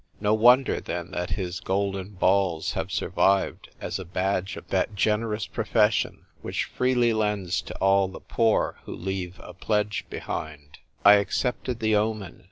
No wonder, then, that his golden balls have sur vived as the badge of that generous profession which freely lends to all the poor who leave a pledge behind. 4$ THE TYPE WKITEK GIKL. I accepted the omen.